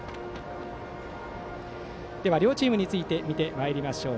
では、両チームについて見てまいりましょう。